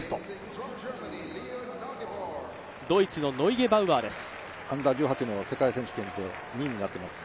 ドイツのノイゲバウアーです。